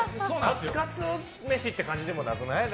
カツカツ飯という感じでもなくない？